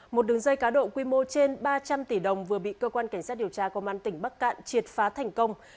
một đường dây cá độ quy mô trên ba trăm linh tỷ đồng vừa bị cơ quan cảnh sát điều tra công an tỉnh bắc cạn triệt phá thành công